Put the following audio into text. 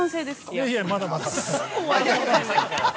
◆いやいや、まだまだ。